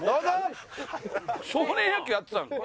少年野球やってたの。